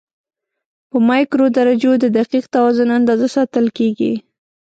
په مایکرو درجو د دقیق توازن اندازه ساتل کېږي.